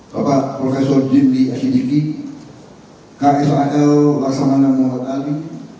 bapak profesor jimli asyidiki ksal laksamana mohd ali